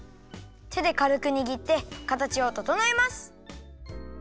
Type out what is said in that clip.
てでかるくにぎってかたちをととのえます。